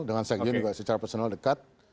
dengan sekjen juga secara personal dekat